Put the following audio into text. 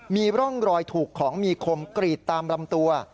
มีร่องรอยถูกของมีคมกรีดตามลำตัว